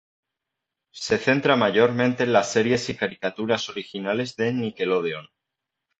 Se centra mayormente en las series y caricaturas originales de Nickelodeon.